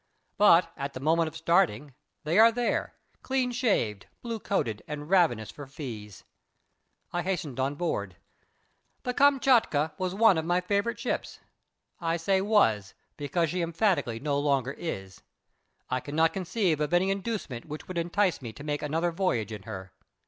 But, at the moment of starting, they are there, clean shaved, blue coated, and ravenous for fees. I hastened on board. The Kamtschatka was one of my favourite ships. I say was, because she emphatically no longer is. I cannot conceive of any inducement which could entice me to make another voyage in her.